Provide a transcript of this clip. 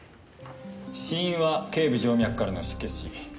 死因は頸部静脈からの失血死。